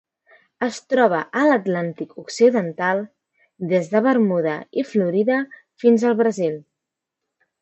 Es troba a l'Atlàntic occidental: des de Bermuda i Florida fins al Brasil.